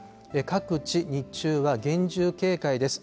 各地、日中は厳重警戒です。